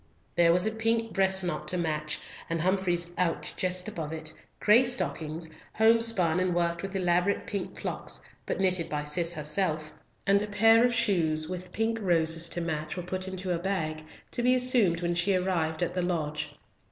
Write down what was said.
There was a pink breast knot to match, and Humfrey's owch just above it, gray stockings, home spun and worked with elaborate pink clocks, but knitted by Cis herself; and a pair of shoes with pink roses to match were put into a bag, to be assumed when she arrived at the lodge.